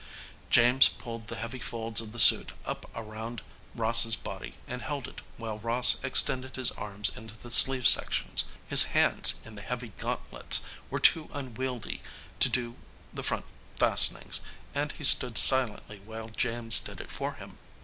James pulled the heavy folds of the suit up around Ross's body and held it while Ross extended his arms into the sleeve sections. His hands, in the heavy gauntlets, were too unwieldy to do the front fastenings, and he stood silently while James did it for him.